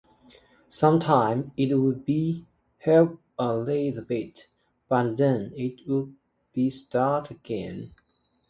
Sometimes it would help a bit, but then it would start again.